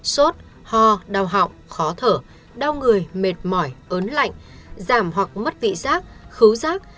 sốt ho đau họng khó thở đau người mệt mỏi ớn lạnh giảm hoặc mất vị giác khứu rác